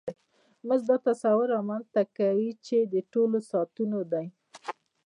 مزد دا تصور رامنځته کوي چې د ټولو ساعتونو دی